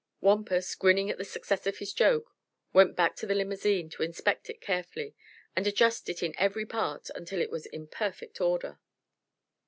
Wampus, grinning at the success of his joke, went back to the limousine to inspect it carefully and adjust it in every part until it was in perfect order.